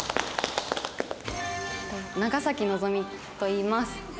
長望未といいます。